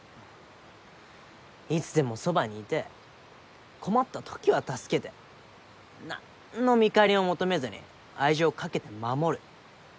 いつでもそばにいて困った時は助けて何の見返りも求めずに愛情をかけて守る。